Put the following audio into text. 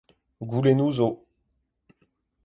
Goulennoù zo !